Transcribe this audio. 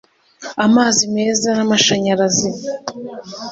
amazi meza n’amashanyarazi,